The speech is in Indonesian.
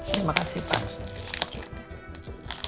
terima kasih pak